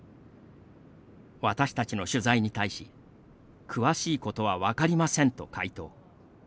私たちの取材に対し詳しいことは分かりませんと回答。